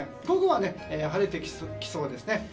午後はね、晴れてきそうですね。